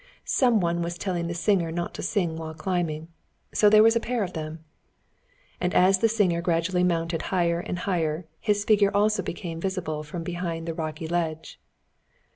Some one was telling the singer not to sing while climbing. So there was a pair of them! And as the singer gradually mounted higher and higher, his figure also became visible from behind the rocky ledge.